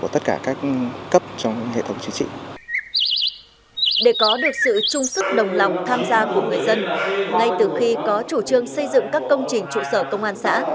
trung sức đồng lòng tham gia của người dân ngay từ khi có chủ trương xây dựng các công trình trụ sở công an xã